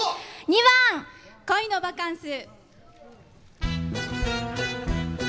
２番「恋のバカンス」。